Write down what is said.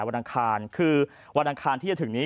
วัดังคาลก็คือวัดังคาลที่จะถึงนี้